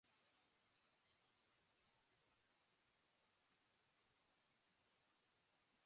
Erretiratu ondoren, Kanadan komikigile lan egin zuen.